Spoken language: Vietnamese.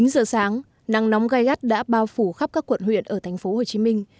chín giờ sáng nắng nóng gai gắt đã bao phủ khắp các quận huyện ở thành phố hồ chí minh